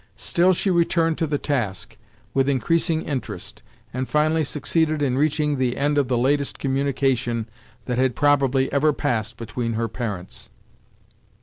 Still she returned to the task, with increasing interest, and finally succeeded in reaching the end of the latest communication that had probably ever passed between her parents.